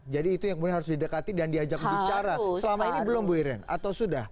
jadi itu yang kemudian harus didekati dan diajak bicara selama ini belum bu iren atau sudah